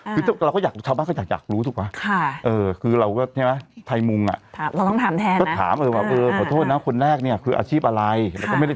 เขาบอกอาชีพคนแรกคือเป็นช่างเครื่องมือแพทย์